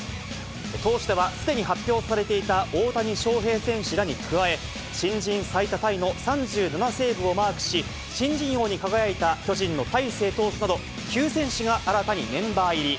投手では、すでに発表されていた大谷翔平選手らに加え、新人最多タイの３７セーブをマークし、新人王に輝いた巨人の大勢投手など、９選手が新たにメンバー入り。